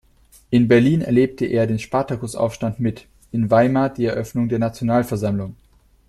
In Berlin erlebte er den Spartakusaufstand mit, in Weimar die Eröffnung der Nationalversammlung.